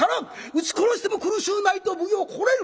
打ち殺しても苦しゅうないと奉行心得る。